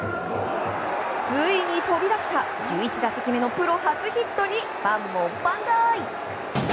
ついに飛び出した１１打席目のプロ初ヒットにファンも万歳！